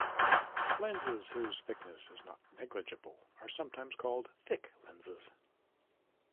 Lenses whose thickness is not negligible are sometimes called "thick lenses".